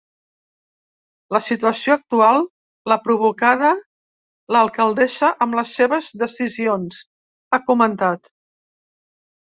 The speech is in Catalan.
La situació actual la provocada l’alcaldessa amb les seves decisions, ha comentat.